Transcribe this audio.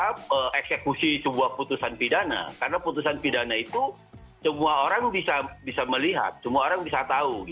kita eksekusi sebuah putusan pidana karena putusan pidana itu semua orang bisa melihat semua orang bisa tahu